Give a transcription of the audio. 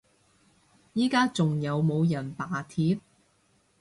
而家仲有冇人罷鐵？